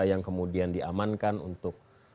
yang kemudian diamankan untuk